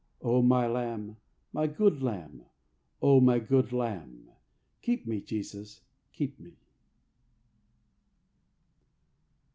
O my Lamb, my good Lamb, O my good Lamb, Keep me, Jesus, keep me.